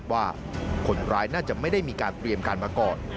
ว่าคนร้ายน่าจะไม่ได้มีการเตรียมการมาก่อน